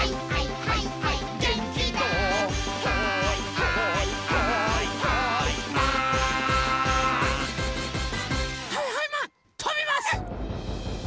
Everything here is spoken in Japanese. はいはいマンとびます！